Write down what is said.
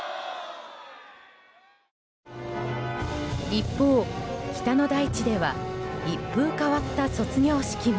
一方、北の大地では一風変わった卒業式も。